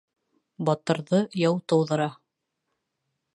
Батырҙы яу тыуҙыра.